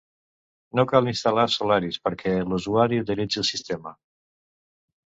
No cal instal·lar Solaris perquè l'usuari utilitzi el sistema.